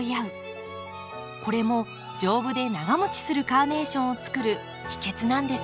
これも丈夫で長もちするカーネーションをつくる秘けつなんですね。